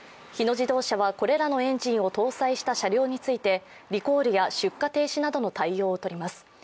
日野自動車は、これらのエンジンを搭載した車両についてリコールや出荷停止などの対応をとります。